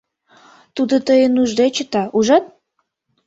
Тудо тыйым ужде чыта, ужат?